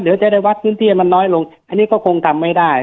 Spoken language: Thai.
เดี๋ยวจะได้วัดพื้นที่ให้มันน้อยลงอันนี้ก็คงทำไม่ได้